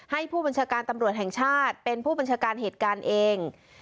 ผู้บัญชาการตำรวจแห่งชาติเป็นผู้บัญชาการเหตุการณ์เอง